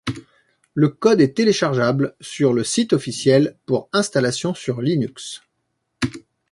Le code est téléchargeable sur le site officiel pour installation sur Linux.